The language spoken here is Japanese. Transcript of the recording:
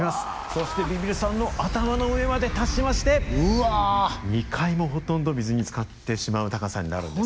そしてビビるさんの頭の上まで達しまして２階もほとんど水につかってしまう高さになるんですね。